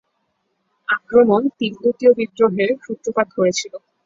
আক্রমণ তিব্বতীয় বিদ্রোহের সূত্রপাত করেছিল।